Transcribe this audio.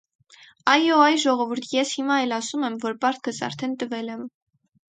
- Այո՛, ա՛յ ժողովուրդ, ես հիմա էլ ասում եմ, որ պարտքս արդեն տվել եմ: